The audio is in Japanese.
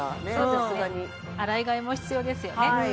さすがに洗い替えも必要ですよね